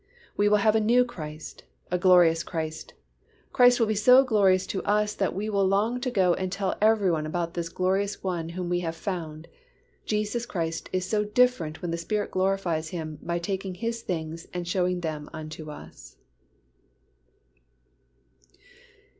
We will have a new Christ, a glorious Christ. Christ will be so glorious to us that we will long to go and tell every one about this glorious One whom we have found. Jesus Christ is so different when the Spirit glorifies Him by taking of His things and showing them unto us.